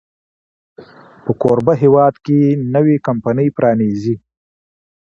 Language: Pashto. په کوربه هېواد کې نوې کمپني پرانیزي.